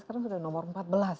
sekarang sudah nomor empat belas